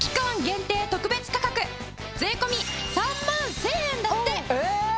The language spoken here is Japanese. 限定特別価格税込３万１０００円だって！